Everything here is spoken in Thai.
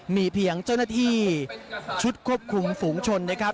มีเพียงเจ้าหน้าที่ชุดควบคุมฝูงชนนะครับ